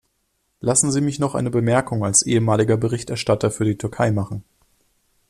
Lassen Sie mich noch eine Bemerkung als ehemaliger Berichterstatter für die Türkei machen.